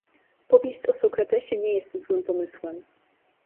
„Powieść o Sokratesie nie jest złym pomysłem.